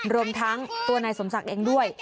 รวมทั้งตัวนายสมศักดิ์เองด้วย